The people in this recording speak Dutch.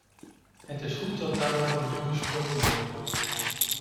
Het is goed dat daarover nu gesproken wordt.